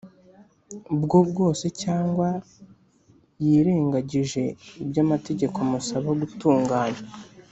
bwo bwose, cyangwa yirengagije ibyo amategeko amusaba gutunganya,